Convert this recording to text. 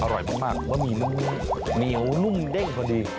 อร่อยมากบะหมี่มันเหนียวนุ่มเด้งพอดี